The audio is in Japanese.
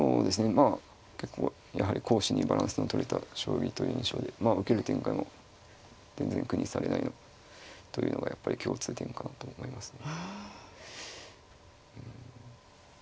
まあ結構やはり攻守にバランスのとれた将棋という印象で受ける展開も全然苦にされないというのがやっぱり共通点かなと思いますね。